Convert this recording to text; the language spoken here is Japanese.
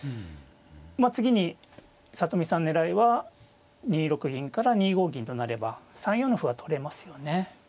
次に里見さん狙いは２六銀から２五銀となれば３四の歩は取れますよね。